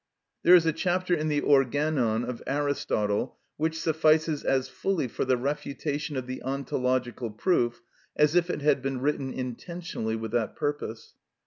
There is a chapter in the "Organon" of Aristotle which suffices as fully for the refutation of the ontological proof as if it had been written intentionally with that purpose.